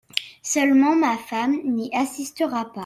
Seulement ma femme n'y assistera pas …